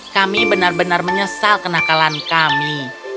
kami benar benar menyesal kenakalan kami